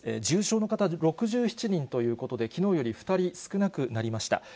重症の方６７人ということで、きのうより２人少なくなりました。